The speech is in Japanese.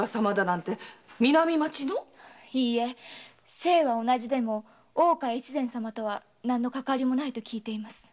姓は同じでも大岡越前様とは何のかかわりもないと聞いています。